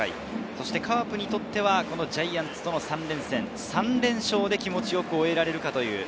カープにとってはジャイアンツとの３連戦、３連勝で気持ちよく終えられるか。